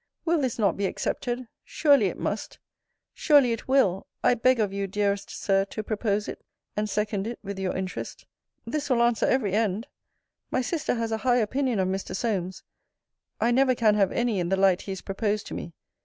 Will this not be accepted? Surely it must surely it will! I beg of you, dearest Sir, to propose it; and second it with your interest. This will answer every end. My sister has a high opinion of Mr. Solmes. I never can have any in the light he is proposed to me.